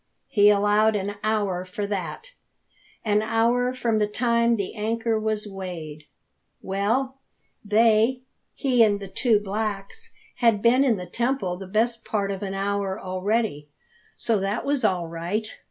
He allowed an hour for that an hour from the time the anchor was weighed.. Well, they he and the two blacks had been in the temple the best part of an hour already. So that was all right.